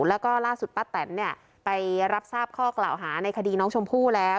แล้วก็ล่าสุดป้าแตนเนี่ยไปรับทราบข้อกล่าวหาในคดีน้องชมพู่แล้ว